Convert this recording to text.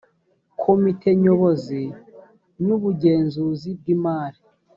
komite nyobozi n ubugenzuzi bw imari